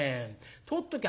取っときゃ